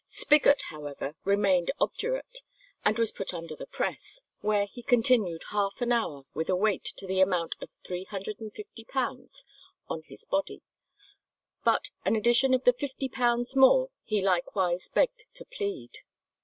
Spiggot, however, remained obdurate, and was put under the press, where he continued half an hour with a weight to the amount of 350 pounds on his body; "but, on addition of the fifty pounds more, he likewise begged to plead."